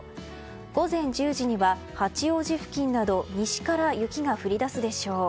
午前１０時には八王子付近など西から雪が降り出すでしょう。